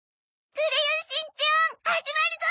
『クレヨンしんちゃん』始まるぞ！